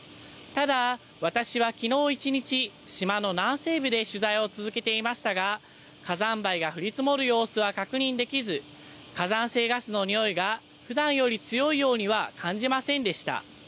ただ、私はきのう一日、島の南西部で取材を続けていましたが、火山灰が降り積もる様子は確認できず、火山性ガスの臭いがふだんより強いようには感じませんでした。